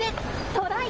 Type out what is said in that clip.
トライ！